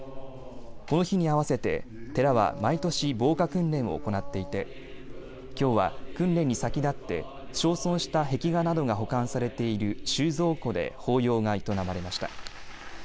この日に合わせて寺は毎年防火訓練を行っていてきょうは訓練に先立って焼損した壁画などが保管されている収蔵庫で法要が営まれました。